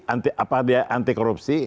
apa dia anti korupsi